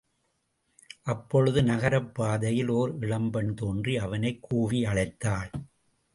அப்பொழுது நகரப் பாதையில் ஓர் இளம் பெண் தோன்றி, அவனைக் கூவி அழைத்தாள்.